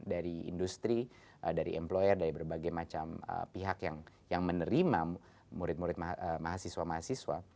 dari industri dari employer dari berbagai macam pihak yang menerima murid murid mahasiswa mahasiswa